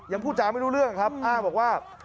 พูดจาไม่รู้เรื่องครับอ้างบอกว่า